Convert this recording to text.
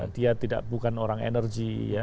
dia tidak bukan orang energi ya